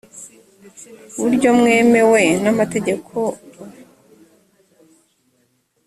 buryo bwemewe n amategeko uscis